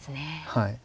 はい。